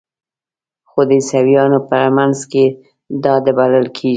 خو د عیسویانو په منځ کې دا د بلل کیږي.